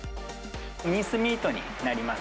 ミンスミートになります。